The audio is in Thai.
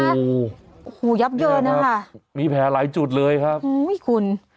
โอ้โฮยับเยอะนะค่ะโอ้โฮมีแผลหลายจุดเลยครับโอ้โฮอีกคุณ